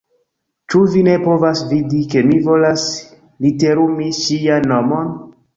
Ĉu vi ne povas vidi, ke mi volas literumi ŝian nomon?